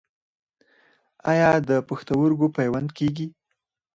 آیا د پښتورګو پیوند کیږي؟